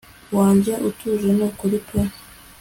wanjye utuje nukuri pe